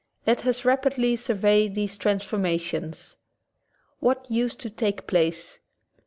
Let us rapidly survey these trans } formations. What used to take place?